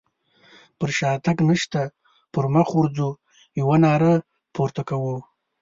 پر شاتګ نشته پر مخ ورځو يوه ناره پورته کوو.